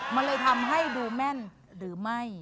มันเลยทำให้ดูแม่นหรือไม่